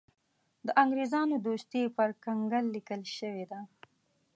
د انګرېزانو دوستي پر کنګل لیکل شوې ده.